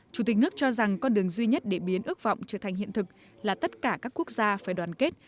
chủ tịch nước cho rằng con đường duy nhất để biến ước vọng trở thành hiện thực là tất cả các quốc gia phải đoàn kết